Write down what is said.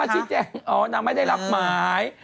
มาชี้แจงนางไม่ได้รับหมาย